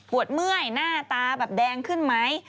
เมื่อยหน้าตาแบบแดงขึ้นไหม